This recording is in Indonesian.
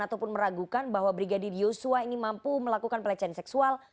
ataupun meragukan bahwa brigadir yosua ini mampu melakukan pelecehan seksual